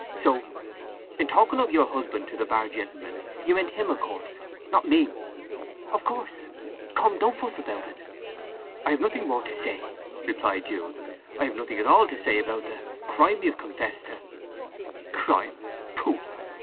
"So in talking of 'your husband' to the bar gentlemen you meant him, of course—not me!" "Of course… Come, don't fuss about it." "I have nothing more to say!" replied Jude. "I have nothing at all to say about the—crime—you've confessed to!" "Crime! Pooh.